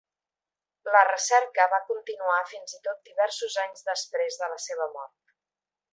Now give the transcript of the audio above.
La recerca va continuar fins i tot diversos anys després de la seva mort.